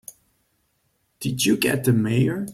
Did you get the Mayor?